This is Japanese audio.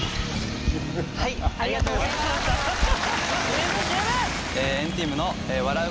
十分十分！